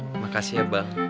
makasih ya bang